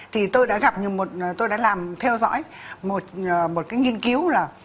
thì tôi đã làm theo dõi một nghiên cứu là